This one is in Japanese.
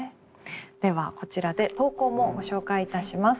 ではこちらで投稿もご紹介いたします。